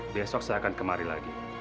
besok saya akan kemari lagi